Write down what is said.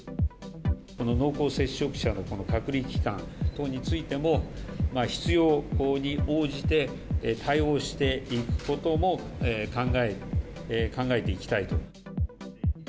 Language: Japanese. この濃厚接触者の隔離期間等についても、必要に応じて対応していくことも考えていきたいと。